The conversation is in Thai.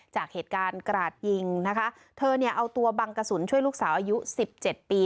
จากเหตุการณ์กราดยิงนะคะเธอเนี่ยเอาตัวบังกระสุนช่วยลูกสาวอายุสิบเจ็ดปี